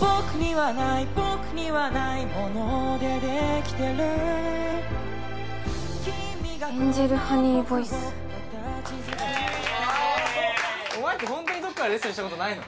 僕にはない僕にはないものでできてる君がこの僕を形作ってるエンジェルハニーボイスお前ってホントにどっかでレッスンしたことないの？